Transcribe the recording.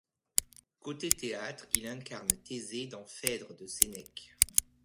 Côté théâtre il incarne Thésée dans Phèdre de Sénèque.